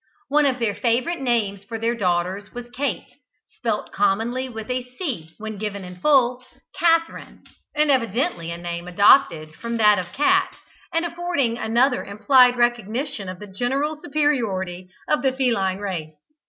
One of their favourite names for their daughters was Kate spelt commonly with a C when given in full, Catherine and evidently a name adopted from that of cat, and affording another implied recognition of the general superiority of the feline race.